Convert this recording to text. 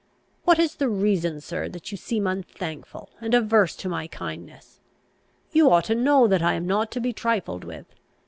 What is the reason, sir, that you seem unthankful and averse to my kindness? You ought to know that I am not to be trifled with.